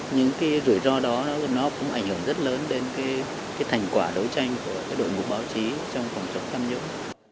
những cái rủi ro đó nó cũng ảnh hưởng rất lớn đến cái thành quả đấu tranh của đội ngũ báo chí trong phòng chống tham nhũng